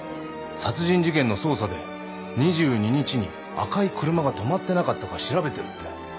殺人事件の捜査で２２日に赤い車が止まってなかったか調べてるって。